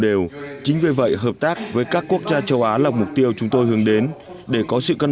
đều chính vì vậy hợp tác với các quốc gia châu á là mục tiêu chúng tôi hướng đến để có sự cân